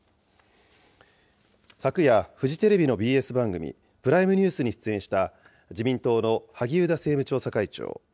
昨夜、フジテレビのＢＳ番組、プライムニュースに出演した自民党の萩生田政務調査会長。